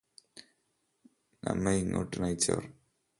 നമ്മെ ഇങ്ങോട്ട് നയിച്ചവർ